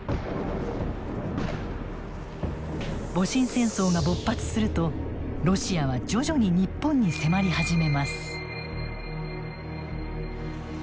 戊辰戦争が勃発するとロシアは徐々に日本に迫り始めます。